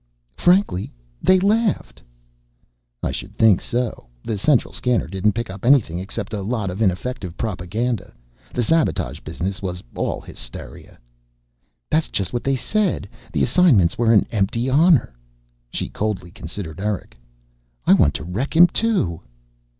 "Frankly, they laughed." "I should think so. The Central Scanner didn't pick up anything except a lot of ineffective propaganda. The sabotage business was all hysteria." "That's just what they said the assignments were an empty honor." She coldly considered Eric. "I want to wreck him too."